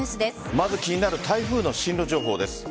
まず、気になる台風の進路情報です。